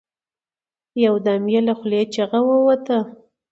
يو دم يې له خولې چيغه ووته.